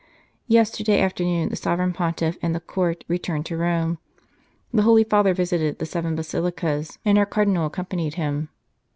Yesterday afternoon the Sovereign Pontiff and the Court returned to Rome, the Holy Father visited the seven basilicas, and our Cardinal accompanied him."